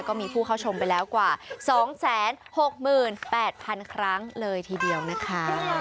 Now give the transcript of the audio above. ก็มีผู้เข้าชมไปแล้วกว่า๒๖๘๐๐๐ครั้งเลยทีเดียวนะคะ